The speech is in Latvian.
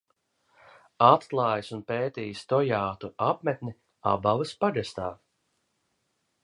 Atklājis un pētījis Tojātu apmetni Abavas pagastā.